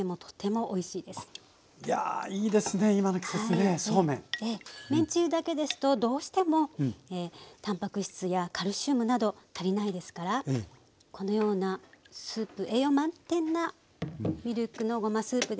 麺つゆだけですとどうしてもタンパク質やカルシウムなど足りないですからこのようなスープ栄養満点なミルクのごまスープですといいですね。